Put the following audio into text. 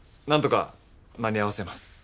何とか間に合わせます。